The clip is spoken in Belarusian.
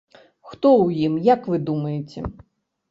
Хто ў ім, як вы думаеце?